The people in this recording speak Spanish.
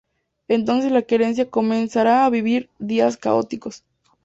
Entonces La Querencia comenzará a vivir días caóticos.